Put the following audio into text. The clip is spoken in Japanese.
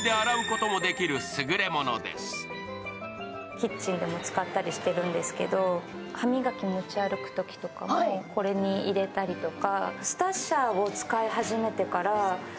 キッチンでも使ったりしてるんですけど、歯磨き持ち歩くときとかもこれに入れたりとか。